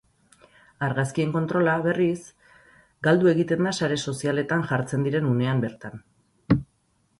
Argazkien kontrola, berriz, galdu egiten da sare sozialetan jartzen diren unean bertan.